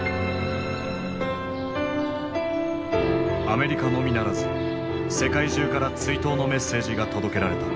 アメリカのみならず世界中から追悼のメッセージが届けられた。